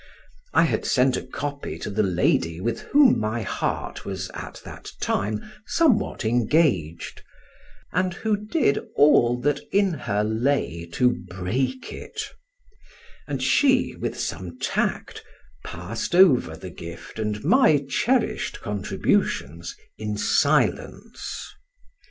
I had sent a copy to the lady with whom my heart was at that time somewhat engaged, and who did all that in her lay to break it; and she, with some tact, passed over the gift and my cherished contributions in silence.